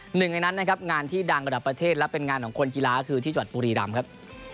หนึ่งในนั้นนะครับงานที่ดังระดับประเทศและเป็นงานของคนกีฬาคือที่จังหวัดบุรีรำครับ